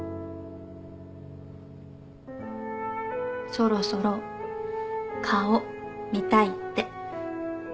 そろそろ顔見たいって。